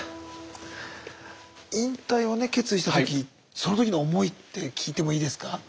引退をね決意した時その時の思いって聞いてもいいですか？